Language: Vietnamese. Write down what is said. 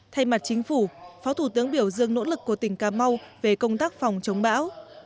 thay mặt chính phủ phó thủ tướng biểu dương nỗ lực của tỉnh cà mau về công tác phòng chống bão